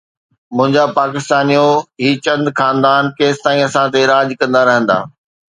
منهنجا پاڪستانيو، هي چند خاندان ڪيستائين اسان تي راڄ ڪندا رهندا؟